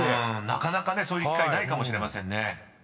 ［なかなかねそういう機会ないかもしれませんね］